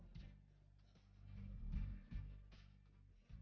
ibu selalu ada di sebelah kamu